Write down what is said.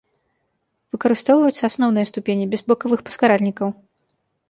Выкарыстоўваюцца асноўныя ступені, без бакавых паскаральнікаў.